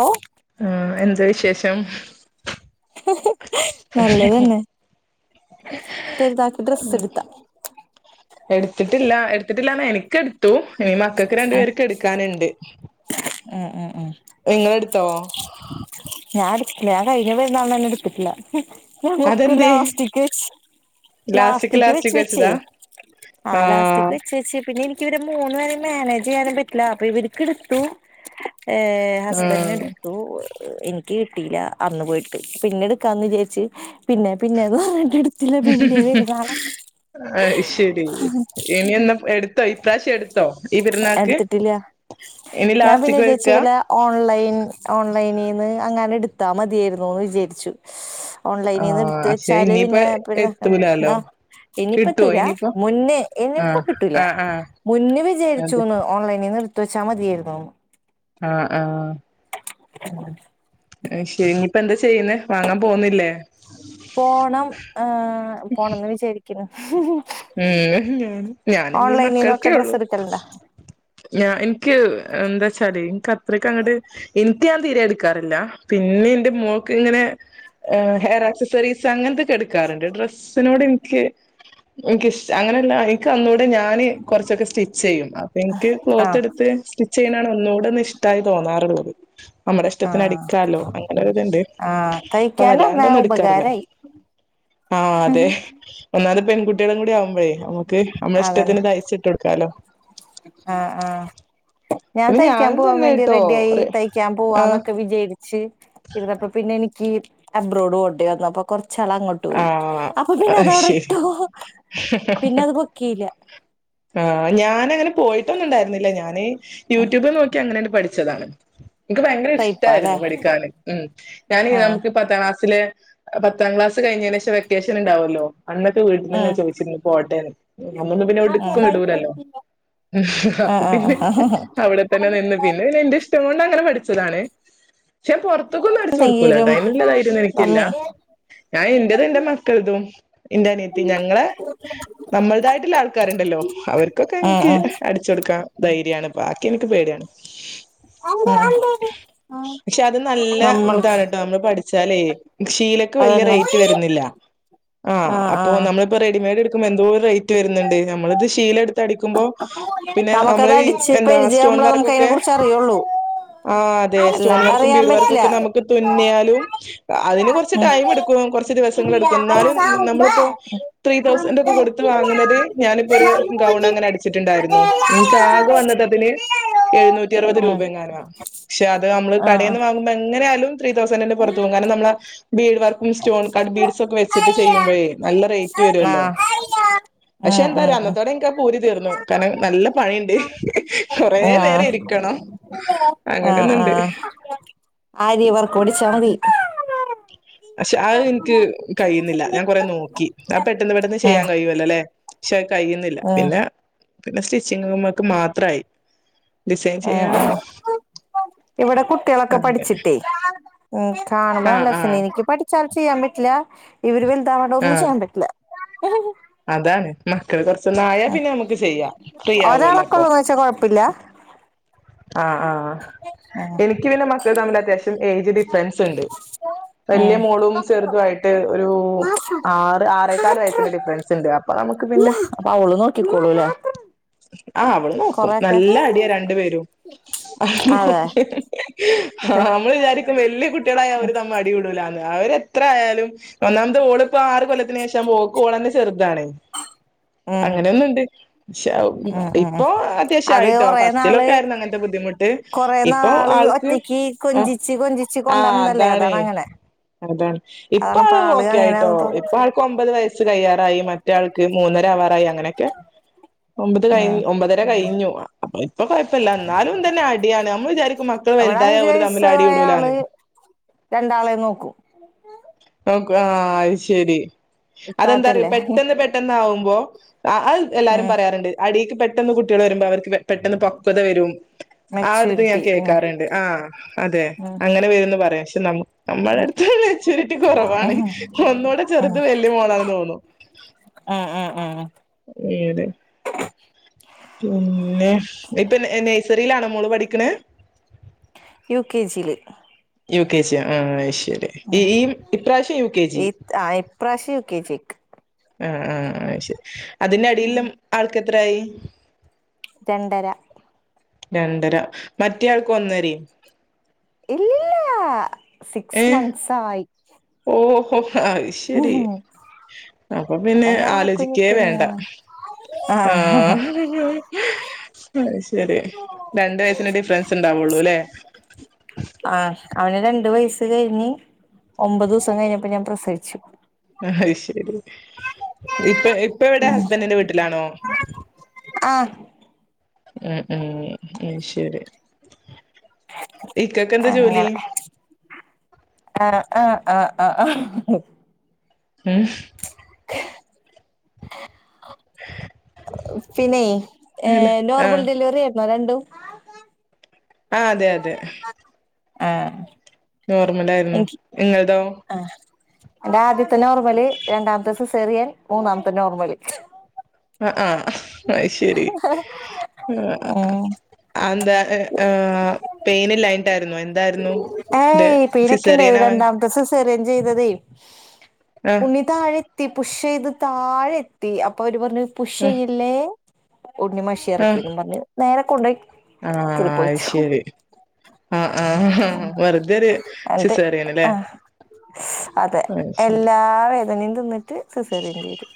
ഓഹ് ആഹ എന്താ വിശേഷം നല്ലതന്നെ പെര്ന്നാക്ക് ഡ്രസ്സ് ഇട്ത്താ എടുത്തിട്ടില്ല എടുത്തിട്ടില്ലന്ന് എനിക്ക് എടുത്തു ഇനി മക്കൾക്ക് രണ്ടു പേർക്ക് എടുക്കാനുണ്ട് ഏഹ എ എ ഏ ഇങ്ങൾ ഇട്ത്തോ ഞാൻ ഇടുത്തിട്ടില്ല ആ കഴിഞ്ഞ പെരുന്നാളിനെന്നെ ഇടത്ത്ട്ടില്ല ഹ്മ് ഞാനൊക്കെ അതെന്തേ ലാസ്റ്റികെച്ച് ലാസ്റ്റ്ക്ക് ലാസ്റ്റിക് വെച്ച് ലാസ്റ്റ്ക്ക് വെച്ചേ വെച്ചതാ ആ ആഹ് എലാസ്റ്റിക്ക് വെച്ച് വെച്ച് പിന്നെൻ എനിക്കിവിടെ മൂന്ന് പേരെയും മാനേജ് ചെയ്യാനും പറ്റുല്ല അപ്പൊ ഇവരിക്ക് എടുത്തു ഏഹ് ഹസ്ബന്റ് ആഹ് എടുത്തു എനിക്ക് കിട്ടില അന്ന് പോയിട്ട് പിന്നെ എടുക്കാന് വിജാരിച്ച് പിന്നെ പിന്നെത് പറഞ്ഞിട്ട് എടുത്തില്ല പിന്നെ പെരുന്നാളായി അഹ് ശെരി ഇനി എന്നാ എട് ത്തോ [unintelligible] ഇപ്രാവശ്യം എടുത്തോ ഈ പെരുന്നാക്ക് എടുത്തിട്ടില്ല ഇനി ഞാൻ പിന്നെ ലാസ്റ്റ്ക്ക് വിചാരിച്ചു വെക്കാ വല്ല ഓൺലൈൻ ഓൺലൈനിന്ന് അങ്ങനെ എടുത്താ മതിയേയിരുന്നു എന്ന് വിജാരിച്ചു സ് ഓൺലൈനിന്ന് ആഹ് എടുത്ത് പക്ഷെ വെച്ചാല് ഇനിയിപ്പ പിന്നെ എത്തൂലാലോ [unintelligible] കിട്ടുവോ ഇനിപ്പത്തൂല ഇനിയിപ്പോ മുന്നേ ഇനിയിപ്പ ആഹ് കിട്ടൂല ആഹ് ആഹ് മുന്നെ അതെ വിജാരിച്ചുന്ന് ഓൺലൈനിന്ന് എടുത്തുവെച്ചാ മതിയായിരുന്നുന്ന് ആഹ ആഹ് ഉം അഹ് ശെരി ഇനിപ്പ എന്താ ചെയ്യുന്നെ വാങ്ങാൻ പോവുന്നില്ലേ പോണം ഏഹ് പോണംന്ന് വിജാരിക്ക്ണ് ഹ്മ് ഹ് ഞാനഞ്ഞ് ഓൺലൈനിന്നൊക്കെ മക്കൾക്കേ ഉള്ളു ഡ്രസ്സ് എടുക്കലുണ്ടാ ഞാ ഇൻക്ക് എന്താച്ചാല് ഇൻക്കത്രക്കങ്ങട്ട് ഇൻക്ക് ഞാൻ തീരെ ഇടുക്കാറില്ല പിന്നെ എന്റെ മോക്ക് ഇങ്ങനെ ഏഹ് ഹെയർ അക്സസറീസ് അങ്ങൻ ത്തൊക്കെ എടുക്കാറുണ്ട് ഡ്രസ്സിനോട് ഇൻക്ക് എൻക്കിഷ് അങ്ങനെല്ല ക്കൊന്നൂടെ ഞാന് കൊർച്ചൊക്കെ സ്റ്റിച്ചെയ്യും അപ്പൊ എൻക്ക് ആ ക്ലോത്ത് എടുത്ത് സ്റ്റ് ചെയ്യുനാണ് ഒന്നൂടൊന്ന് ഇഷ്ട്ടായി തോന്നാറുള്ളത് നമ്മുടെ ആ ഇഷ്ട്ടത്തിന് അടിക്കാലോ അങ്ങനെ ഒരുതുണ്ട് ആ അപ്പ തയ്ക്കാനറിഞ്ഞാ വല്ലാണ്ടൊന്നും ഇടുക്കാറില്ല. ഉപകാരായി ആഹ് അതെ ഒന്നാമത് പെൺകുട്ടി കുട്ടിയേളും കൂടി ആവുമ്പഴേ നമുക്ക് നമ്മള ഇഷ്ട്ടത്തിന് തയ്ച്ചിട്ട് കൊടുക്കാലോ ആഹ ആഹ് ഞാൻ പിന്നെ തയ്ക്കാൻ ഞാനും പോവാൻ തന്നെ വേണ്ടി ട്ടോ റെഡ്യായി റെ തയ്ക്കാൻ ആഹ് പോവാന്നൊക്കെ വിജാര് ച്ച് ഇര്ന്നപ്പൊ പിന്നെനിക്ക് അബ്റോഡ് പോണ്ടി വന്നു അപ്പൊ കുറച്ചാൾ അങ്ങോ ട്ട് പോയി ആഹ് അപ്പൊ പിന്നെ അത് അതവിടെ ശരി ഇട്ടു പിന്നെ അത് പൊക്കീല ആഹ് ഞാനങ്ങനെ പോയിട്ടൊന്നുണ്ടായിരുന്നില്ല ഞാന് ഹ് യൂട്യൂബിൽ നോക്കി അങ്ങനാണ്പഠിച് ച്ചതാണ് ഇൻക്ക് ഭയങ്കര തയ്പ്പാല്ലേ ഇഷ്ട്ടായിരുന്നു പഠിക്കാൻ ഉം ഞാന് ആഹ് നമുക്ക്. പത്താം ക്ലാസ്സില് പത്താം ക്ലാസ് കഴിഞ്ഞെന് ശേഷം വെക്കേഷൻ ഇണ്ടാവല്ലോ. അന്നൊക്കെ ഉം വീട്ട്ന്ന്ങ്ങെനെ ചോയ്ച്ചിരുന്നു പോട്ടേന്ന് അന്നൊന്നും എവിട്ക്കും വിടൂലല്ലോ. ആഹ് അപ്പൊ പിന്നെ ആഹ് അവിടെത്തന്നെ നിന്ന് ആഹ് പിന്നെ പിന്നെ എന്റെ ഇഷ് ട്ടങ്ങോണ്ടങ്ങനെ പഠിച്ചതാണ് പക്ഷെൻ പൊർത്തുക്കൊന്നും അടിച്ച് കൊടുക്കൂല ട്ടോ എന്തെങ്കിലും അയ്നുള്ള ദൈര്യൊന്നും എനിക്കില്ല. അമ്മേ എന്റെത് എന്റെ മക്കൾതും എന്റെ അനിയ. പി ഞങ്ങളെ നമ്മള്തായിട്ടുള്ള ആൾക്കാരുണ്ടല്ലോ അവർക്കൊക്കെ ഇൻക്ക് ഉം അട് ച്ചൊട്ക്കാൻ ധൈര്യാണ് ബാക്കിൻക്ക് പേടിയാണ്. ഉം ക്ഷെ അത് നല്ല നമ്മൾക്ക് ഇതാണ് ട്ടോ നമ്മള് പട് ച്ചാൽ ശീലക്ക് വല്യ അതന്നെ റേറ്റ് വരുന്നില്ല ആഹ് അപ്പോ നമ്ള്. ഇപ്പൊ റെഡിമൈഡ് എടുക്കുമ്പോ എന്തോര് റേറ്റ് വരുന്നുണ്ട് നമ്മളത് ശീലട്. ത്തടിക്കുമ്പോ പിന്നെ നമ്മള് നമുക്കത് ഈ അടിച്ച് എന്താ സ്റ്റോൺ പരിചയാവുമ്പളേ നമുക്ക് അതിനെ വർക്കൊക്കെ. കുറിച്ച് അറിയുള്ളൂ ആഹ് അതെ സ്റ്റോൺ അല്ലാണ്ട് വർക്കും അറിയാൻ ബീട് വർക്കും പറ്റില്ല ഒക്കെ നമുക്ക് തുന്നിയാലും അതിന് കൊറച്ച് ഉം ടൈം എടുക്കും. കുറച്ച് ദിവസങ്ങൾ ഉം എടുക്കും എന്നാലും നമ്മളിപ്പോ ത്രീതൗസഡ് ഒക്കെ കൊടുത്ത് വാങ്ങുന്നത് ഞാനിപ്പോ ഒരു ഗൗൺ അങ്ങനെ അടിച്ചിട്ടുണ്ടായിരുന്നു എനിക്ക് ആകെ വന്നട്ടതിന് എഴുന്നൂറ്റ റപത് രൂപയുംങ്ങാന പക്ഷെ അത് നമ്മള് കടന്ന് വാ എങ്ങനാലും ത്രീ തൗ ർക്കും സ്റ്റോൺ കാഡ് ബീഡസ് ഒക്കെ വെച്ചിട്ട് ചെയ്യുമ്പോേ നല്ല റേറ്റ് ആഹ് ആഹ് വരുല്ലോ ആഹ് പക്ഷെ ഉം എന്താ പറയാ ഉം അന്നത്തോടെ എനിക്കാ പൂനി തീർന്നു കാരണം നല്ല പണിയുണ്ട് കുറെ നേരം ആഹ് ഇരിക്കണം ആഹ് അങ്ങനെയൊന്നുണ്ട് ആഹ് ആരിവർക്ക ഓടിച്ചതി പക്ഷെ അത് എനിക്ക് കഴിയുന്നില്ല ഞാൻ കൊറെ നോക്കി അപ്പ പെട്ടെന്ന് പെട്ടെന്ന് ഉം ചെയ്യാൻ കഴിയുവല്ലോ അല്ലെ പക്ഷെ കഴിയുന്നില്ല ഉം പിന്നെ പിന്നെ സ്റ്റിച്ചിങ്ങ ഒക്കെ മാത്രമായി ഡിസൈൻ ചെയ്യാണ് ഉം ഇവിടെ കുട്ടികളൊക്കെ പഠിച്ചിട്ടേ ഉം കാണുന്നു ആഹ് അല്ലത്തന്നെ ആഹ് എനിക്ക് പഠിക്ക വച്ചാല ചെയ്യാൻ പറ്റില്ല ഇവര് വലുതാ വേണ്ട ഒന്നും ആഹ് ചെയ്യാൻ പറ്റില്ല അതാണ് മക്കള് കുറച്ചൊന്ന് ആയാ പിന്നെ നമുക്ക് ചെയ്യാം ഫ്രീ ആവല്ലോ അപ്പൊ കുഴപ്പില്ല ആഹ് ആഹ് എനിക്ക് പിന്നെ മക്കൾ തമ്മിൽ അത്യാവശ്യം ഏജ് ഡിഫറൻസ് ഉണ്ട് വലിയ ഉം ഉം മോളും ചെറുതും ആയിട്ട് ഒരു ആറ് ആറേക്കാല് വയസ്സിന്റെ ഡിഫറൻസ് ഉണ്ട് അപ്പൊ നമുക്ക് പിന്നെ അപ്പൊ അവള് [inaudible] ആഹ് അവള് നോക്കും കൊറെയൊക്കെ നല്ല അടിയാ രണ്ടു പേരും അതെ ആഹ് നമ്മൾ വിചാരിക്കും വല്യ കുട്ടികളായ അവര് തമ്മിൽ അടി കൂടൂല അവര്ത്ര ആയാലും ഒന്നാമത്തെ ഓള് ഇപ്പോ ആറ് കൊല്ലത്തിന് ശേഷം പോക്ക് ഓളെന്നെ ചെറുതാണ് ഉം അങ്ങനെയൊന്നുംണ്ട് ഉം ഉം ഇപ്പോ അത്യാവശ്യ അത് ആയിട്ടോ കൊറേ നാള് ഫസ്റ്റിലൊക്കെ ആയിരുന്നു അങ്ങനെ ബുദ്ധിമുട്ട് കൊറേ ഇപ്പൊ നാള് ആൾക്ക് ഒറ്റക്ക് ആഹ് കൊഞ്ചിച്ച് കൊഞ്ചിച്ച് ആഹ് കൊണ്ടന്നതല്ലേ അതാണ് അങ്ങനെ അതാണ് അതാണ് ഇപ്പ ഇപ്പള് ആള് ഓക്കെ ആയിട്ടോ അങ്ങനെയാന്ന് ഇപ്പ തോന്നുന്നു ഒരാൾക്ക് ഒമ്പത് വയസ്സ് കയ്യാറായി മറ്റാൾക്ക് മൂന്നര ആവാറായി അങ്ങനെ ഒമ്പത് കഴി ഉം ഒമ്പതര കഴിഞ്ഞു അഹ് ഇപ്പൊ കൊഴപ്പില്ല എന്നാലും തന്നെ അടിയാണ് നമ്മൾ വിചാരിക്കും മക്കൾ ഇവിടെ വലുതായ അഞ്ചു ഒരു തമ്മില് വയസ്സായ ആള് അടികൂടൂലാന്ന് രണ്ടാളെ നോക്കും ആഹ് അത് ശരി അതെന്താ അറിയോ ഇത്താത്തല്ലേ പെട്ടെന്ന് പെ പെട്ടാവകുമ്പോ അത് എല്ലാരും ഉം പറയാറുണ്ട് അടിക്ക് പെട്ടെന്ന് കുട്ടികൾ വരുമ്പോ അവർക്ക് പെട്ടെന്ന് പക്വത വരും ആഹ് ഒരുരിത് ഞാൻ മെച്യൂരിറ്റി ഉം കേൾക്കാറുണ്ട് ആഹ് അതെ ഉം അങ്ങനെ വരുന്ന് പറയാം പക്ഷെ ന നമ്മുടെ അടുത്ത് മെച്ചയൂരിറ്റി കുറവാണ് ഒന്നൂടെ ചെറുത് വല്യ മോളാന്ന് തോന്നു ആഹ് ആഹ് ആഹ് [unintelligible] [inaudible] പിന്നെ ഇപ്പൊ നേഴ്സറിയിലാണോ മോള് പഠിക്കണ യു കെ ജിയിൽ യു കെ ജി ആ ശരി ഈ ഇപ്രാവശ്യം യു കെ ജി ഈ ആ ഇപ്രാവശ്യ ഒക്കെ ചേക്ക് ആഹ ആഹ ശരി അതിന്റെ അടില്ലും ആൾക്കെത്രായി രണ്ടര രണ്ടര മറ്റേയാൾക്ക് ഒന്നര ഇല്ല ഇല്ല ഏ സിക്സ് മസ് ആയി ഓഹോ ഉം ശരി ഹ അപ്പൊ പിന്നെ അതന്നെ പറഞ്ഞകുഞ്ഞി ആലോചിക്കേ വേണ്ട കുഞ്ഞിങ്ങള ആഹ അ ശെരി രണ്ട വയസിന്റെ ഡിഫറൻസ് ഉണ്ടാവുള്ളു അല്ലേ ആഹ അവന് രണ്ടു വയസ കഴിഞ്ഞഞ് ഒമ്പത് ദിവസ കഴിഞ്ഞപ്പോൾ ഞാൻ പ്രസവിച്ചു അഹ് അയ്ശെരി ഇപ്പ ഇപ്പ എവിടെ ഹസ്ബൻഡിന്റെ വീട്ടിലാണോ ആഹ് ആഹ് ആഹ് ഉം ശരി ഇക്കക്ക് [unintelligible] എന്താ ആഹ് ജോലി ആഹ് ആഹ് ആഹ് ആഹ് ഉം പിന്നെ അല്ല ഏഹ് ആ നോർമൽ ഡെലിവറി ആര്ണോ രണ്ടും ആഹ് അതെ അതെ ആഹ് നോർമലാരുന്നു ഇങ്ങള്തോ ആഹ് എന്റെ ആദ്യത്തെ നോർമ്മല് രണ്ടാമത്തെ സിസെറിയൻ മൂന്നാമത്തെ നോർമ്മല് അ ആഹ് അയ്ശരി ആഹ് ഉം അ എന്താ ഇഹ് ആ പെയിനില്ലാഞ്ഞിട്ടാരുന്നു എന്താരുന്നു ന്ത് ഏയ് പിനൊക്കെണ്ടായത് സിസേറിയനാവാൻ രണ്ടാമത്തെ സിസേറിയൻ ചെയ്തതെ ആഹ് ഉണ്ണി താഴെത്തി പുഷ് ചെയ്ത് താഴെത്തി അപ്പൊ അവര് പറഞ്ഞു പുഷ് ആഹ് ചെയ്യല്ലേ ഉണ്ണി മഷി ആഹ് ഇറക്കിന്ന് പറഞ്ഞ് നേരെ കൊണ്ടോയി ആഹ് കീറിപ്പൊളിച്ചു അയ്ശരി ആഹ് ആഹ് വെറുതെഒരു എന്നിട്ട് സിസേറിയൻ അല്ലേ ആഹ് അതെ എല്ലാ വേദനയും തിന്നിട്ട് സിസേറിയൻ ചെയ്ത്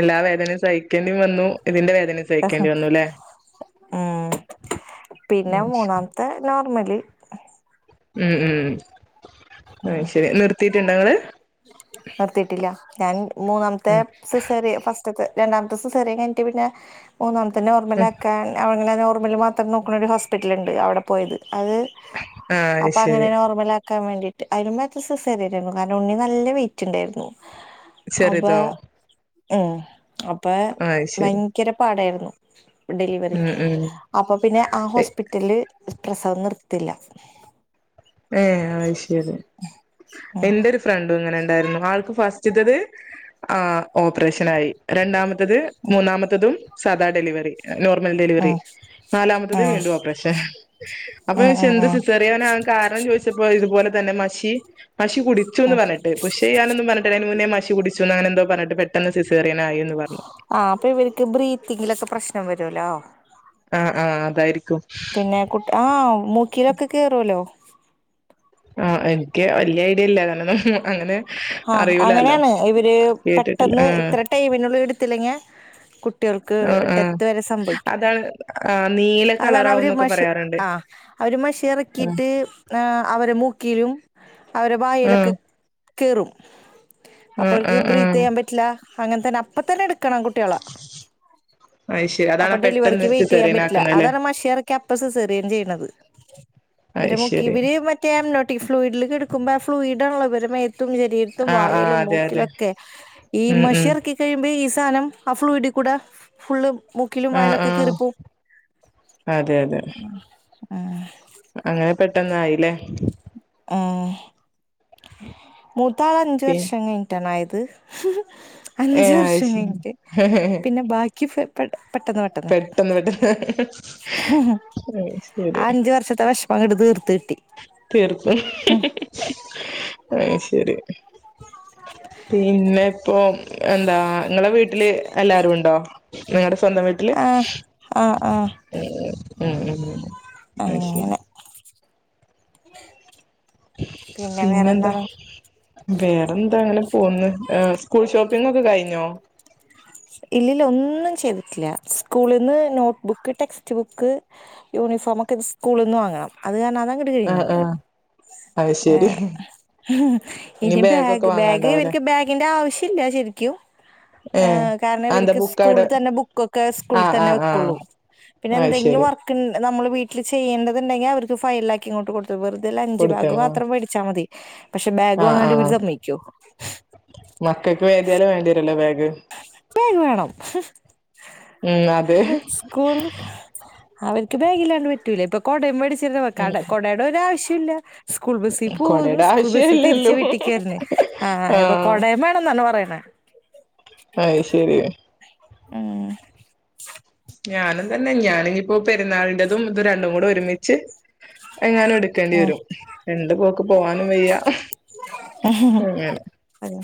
എല്ലാ വേദനയും സഹിക്കേണ്ടി വന്നു ഇതിന്റെ വേ ഉം ആഹ് പിന്നെ മൂന്നാം എ നോർമല് ഉം ഉം അയ്ശരി നിർത്തിട്ടുണ്ടോങ്ങള് നിർത്തിട്ടില്ല ഞാൻ മൂന്നാമത്തെ സിസേറിയൻ ഫസ് റ്റത്തെ രണ്ടാമത്തെ സിസേറിയൻ കഴിഞ്ഞിട്ട് പിന്നെ മൂന്നാമത്തെ നോർമലാക്കാൻ അവ് അങ്ങനെ നോർമല് മാത്രം നോക്കണ ഒരു ഹോസ്പിറ്റൽ ഉണ്ട് അവിടെ പോയത് അത് ആഹ് അത് അപ്പൊ അങ്ങനെ ശരി നോർമൽ ആക്കാൻ വേണ്ടി അയിലും മെച്ചം സിസേറിയൻ ആരുന്നു കാരണം ഉണ്ണി നല്ല വെയിറ്റ് ഉണ്ടാരുന്നു അപ ചെറുതോ ഉം അപ്പ ആ അത് ശരി ഭയങ്കര പാടാരുന്നു ഡെലിവറി ഉം ഉം അപ്പൊ പിന്നെ ആ ഹോസ്പിറ്റല് പ്രസവം നിർത്തില്ല ഏഹ് അയ്ശെരി ഉം എൻ്റെരു ഫ്രണ്ടും ഇങ്ങനെതന്നാരുന്നു ആൾക്ക് ഫസ്റ്റ്തത് ആഹ് ഓപ്പറേഷനായി രണ്ടാമത്തത് മൂന്നാമത്തതും സദാ ഡെലിവറി നോർമൽ ഡെലിവറി ഉം നാലാമത്തത് ഉം വീണ്ടു ഓപ്പറേഷൻ അപ്പോ ഉം ചോയ്ച്ച് ഉം എന്ത് ഉം സിസേ അറിയാനാണ് കാരണം ചോദിച്ചപ്പോ ഇതുപോലെ തന്നെ മഷി മഷി കുടിച്ചുന്ന് ഉം പറഞ്ഞിട്ട് പുഷ്യയ്യാനൊന്നും പറഞ്ഞിട്ടില്ല അയിനു മുന്നേ മഷി കുടിച്ചു അങ്ങനെ എന്തോ പറഞ്ഞിട്ട് പെട്ടെന്ന് സിസേറിയൻ ആയിന്ന് പറഞ്ഞു ആഹ് അപ്പ ഇവരിക്ക് ബ്രീത്തിങ്ങിലൊക്കെ പ്രശ്നം വരുല്ലോ ആഹ് ആഹ് അതാരി പിന്നെ കുട്ട് ആഹ് മൂക്കിലൊക്കെ കേറുവലോ ആഹ് എനിക്ക് വല്യ ഐഡിയ ഇല്ല കാരണം ന്ന് അങ്ങനെ ആഹ് അറിയൂലാലോ അങ്ങനെയാണ് ഇവര് കേട്ടിട്ടില്ല പെട്ടെന്ന് ആഹ് ഇത്ര ടൈമിനുള്ളി എടുത്തില്ലെങ്ങെ കു കുട്ടികൾക്ക് ആഹ് ആഹ് ഡെത്ത് വരെ സംഭവിക്കും അതാണ് ആഹ് നീല അതാണ് അവര് കളറാവുന്നൊക്കെ മഷി പറയാറുണ്ട് ആഹ് അവര് മഷി ആഹ് ഇറക്കിട്ട് ആഹ് അവരെ മൂക്കിലും അവരെ ആഹ് വായലൊക്കെ കേറും അപ്പൊ ആഹ് അവർക്ക് ആഹ് ബ്രീത്ത് ആഹ് ചെയ്യാൻ പറ്റില്ല അങ്ങനെ തന്നെ അപ്പ തന്നെ എടുക്കണം കുട്ട്യാള അത് ശരി അപ്പൊ അതാണ് പെട്ടെന്ന് ഡെലിവറിക്ക് വെയിറ്റ് ചെയ്യാൻ സിസേറിയൻ പറ്റില്ല ആക്കുന്നല്ലേ അതാണ് മഷി ഇറക്കിയ അപ്പ സിസെറിയൻ ചെയ്യണത് അത് ഇവരെ മുക്കി ശരി ഇവര് മറ്റേ അമ്നോട്ടി ഫ്ലൂയിഡില് കടുക്കുമ്പോ ആ ഫ്ലൂയിഡ്ള്ള ഇവരെ മേത്തും ശരീ ത്തും ആഹ് ആഹ് വായേലും അതെ അതെ മൂക്കിലൊക്കെ ഈ ഉം മഷി ഉം ഇറക്കി കഴിയുമ്പോ ഈ സാധം അ ഫ്ലൂയിടി കൂട ഫുള്ള് മുക്കിലും ആഹ് വയലൊക്കെ ആഹ് കേറിപ്പോവും അതെ അതെ ആഹ് അങ്ങനെ പെട്ടന്ന ആയില്ലേ ആഹ് ഉം മുത്താൾ അഞ്ച വർഷം കഴിഞ്ഞട്ടണ ആയത് അഞ്ച ഏഹ് അത് വർഷം ശരി കഴിഞ്ഞിട്ട് പിന്നെ ബാക്കി പെട്ടെന്ന് പെട്ടെന്ന് പെട്ടന്ന് അഹ് ശരി അഞ്ചു വർഷത്തെ വിഷമം അങ്ങട്ട് തീർത്ത് കിട്ടി തീർത്ത് അഹ് ശരി പിന്നെ ഇപ്പൊ എന്താ നിങ്ങളെ വീട്ടില് എല്ലാവരും ഉണ്ടോ നിങ്ങളെ സ്വന്തം ട്ടിൽ ആഹ് ആഹ് ആഹ് [unintelligible] അങ്ങനെ പിന്നെ എന്താ വേറെ എന്താ അങ്ങനെ പോന്ന് സ്കൂൾ ഷോപ്പിംങ്ങോക്കെ കഴിഞ്ഞോ ഇല്ലില്ല ഒന്നും ചെയ്തിട്ടില്ല സ്കൂളിൽന്ന് നോട്ട്ബുക്ക് ടെക്സ്റ്റ് ബുക്ക് യൂണിഫോമ ഒക്കെ സ്കൂളിൽ നിന്ന് വാങ്ങണം അത് കാരണം അതാ ങ്ങട് കഴിഞ്ഞു അഹ് ആ ശരി ഇനി ബാഗൊക്കെ ബാഗ് ബാഗ് വാങ്ങാണ്ടാവല്ലേ ഇവർക്ക് ബാഗിന്റെ ആവശ്യ ഇല്ല ശരിക്കും ഏഹ് അന്താ ബുക്ക് സ്കൂ അവിടെ തന്നെ ബുക്കക്കെ സ്കുളിൽ ആഹ് തന്നെ ആഹ് ആഹ് വെക്കുള്ളൂ പിന്നെ അത് എന്തങ്കിൽ ശരി വ നമ്മള് വീട്ടില് ചെയ്യേണ്ടതുണ്ടെിൽ അവർക്ക് ഫയലാക്കക്കി ങ്ങോട് കൊടുത്തത് വെർത ലൻഞ്ച് ബാഗ് കൊടുത്തണോ മാത്രം വച്ചാൽ മതി പക്ഷെ ബാഗ് ആഹ് വാങ്ങാണ്ടി വരു സമ്മിക്കോ മക്കക്ക് വേദിയാലും വേണ്ടിരല്ലോ ബാഗ് ബേഗ വേണം ഉം അതെ സ്കൂള് അവർക്ക് ബാഗില്ലാണ്ട് പറ്റൂല ഇപ്പൊ കൊടയും മേടിച്ചിരട ഉം കൊടയുടെ ആവശ്യം ഇല്ല സ്കൂൾ ബസ്സിൽ പോകുന്നു കൊടയുടെ സ്കൂൾ ബസ്സിൽ തിരിച്ച ആവശ്യല്ലല്ലോ വീട്ടിക്കാരുന്നേ ആഹ് ഇപ്പൊ കൊടയം വേണന്ന പറയണേ അഹ് ശരി ഉം ഞാനും തന്നെ ഞാനി ഇപ്പോ പെരുന്നാളിന്റെതും ഇത് രണ്ടും കൂടെ ഒരുമിച്ച് എങ്ങാനും എടുക്കേണ്ടി ഉം വരും രണ്ട് പോക്ക് പോവാനും വയ്യ ഉം അതെ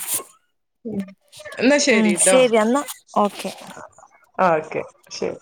എന്നാ ശരിട്ടോ ശരി എന്നാ ഓക്കെ ആഹ് ഓക്കെ ശരി